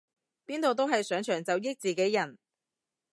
邊度都係上場就益自己人